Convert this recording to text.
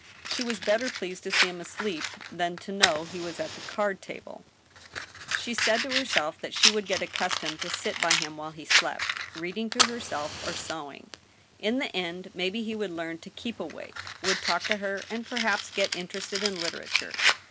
She was better pleased to see him asleep than to know he was at the card table. AN ILLUMINATION. 157 She said to herself that she would get accustomed to sit by him while he slept, reading to herself, or sewing. In the end maybe he would learn to keep awake, would talk to her, and perhaps get in terested in literature.